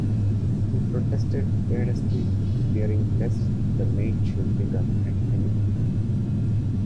He protested earnestly, fearing lest the maid should become an enemy.